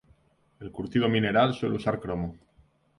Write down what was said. El curtido mineral suele usar cromo.